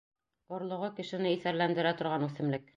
Орлоғо кешене иҫәрләндерә торған үҫемлек.